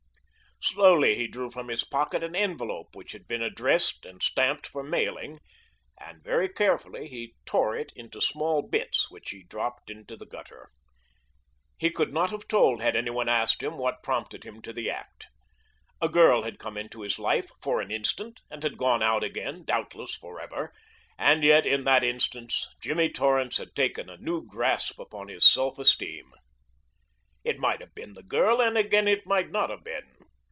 Slowly he drew from his pocket an envelope which had been addressed and stamped for mailing, and very carefully tore it into small bits which he dropped into the gutter. He could not have told had any one asked him what prompted him to the act. A girl had come into his life for an instant, and had gone out again, doubtless forever, and yet in that instant Jimmy Torrance had taken a new grasp upon his self esteem. It might have been the girl, and again it might not have been.